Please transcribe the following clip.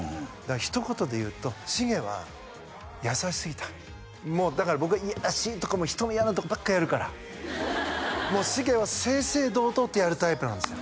ひと言でいうとしげは優しすぎただから僕はいやらしいとこも人の嫌なとこばっかやるからもうしげは正々堂々とやるタイプなんですよ